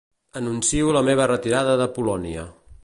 Anuncio la meva retirada de ‘Polònia’.